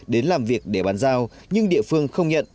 đến làm việc để bán giao nhưng địa phương không nhận